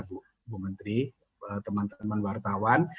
bu menteri teman teman wartawan